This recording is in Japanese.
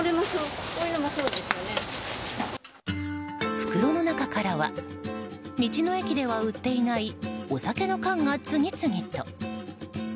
袋の中からは、道の駅では売っていないお酒の缶が次々と。